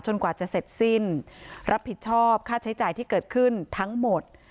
กว่าจะเสร็จสิ้นรับผิดชอบค่าใช้จ่ายที่เกิดขึ้นทั้งหมด